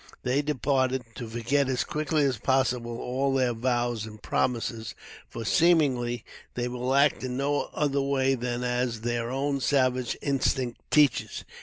They departed, to forget as quickly as possible all their vows and promises; for, seemingly, they will act in no other way than as their own savage instinct teaches.